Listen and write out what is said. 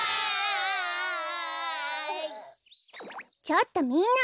ちょっとみんな！